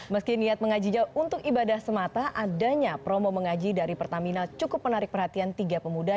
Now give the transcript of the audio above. meski niat mengaji jauh untuk ibadah semata adanya promo mengaji dari pertamina cukup menarik perhatian tiga pemuda